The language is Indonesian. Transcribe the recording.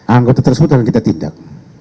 anggota tersebut akan kita tindak